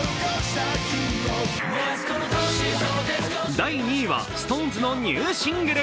第２位は、ＳｉｘＴＯＮＥＳのニューシングル。